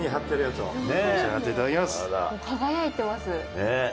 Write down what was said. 輝いてます！